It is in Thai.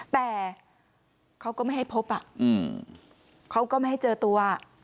แต่เขาก็ไม่ให้พบเขาก็ไม่ให้เจอตัว